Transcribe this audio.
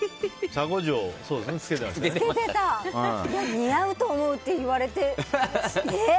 似合うと思うといわれて。